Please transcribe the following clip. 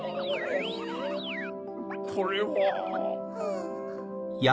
これは。